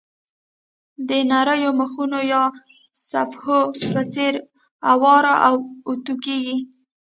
د نریو مخونو یا صفحو په څېر اوار او اوتو کېږي.